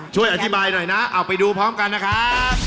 ช่วยอธิบายหน่อยนะเอาไปดูพร้อมกันนะครับ